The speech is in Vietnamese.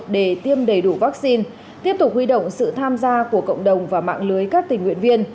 để tiêm đầy đủ vaccine tiếp tục huy động sự tham gia của cộng đồng và mạng lưới các tình nguyện viên